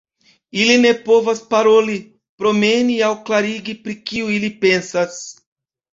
Ili ne povas paroli, promeni aŭ klarigi pri kio ili pensas.